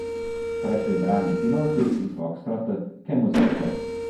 Fra i suoi brani più noti, il foxtrot "Che musetto!